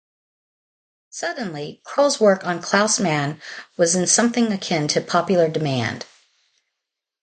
Suddenly, Kroll's work on Klaus Mann was in something akin to popular demand.